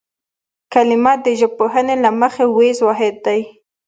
کلمه د ژبپوهنې له مخې وییز واحد دی